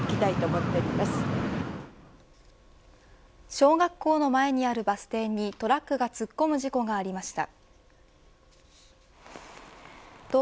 小学校の前にあるバス停にトラックが突っ込む事故がありました。